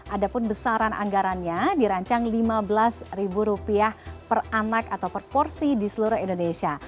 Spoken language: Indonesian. ada pun besaran anggarannya dirancang lima belas per anak atau per porsi di seluruh indonesia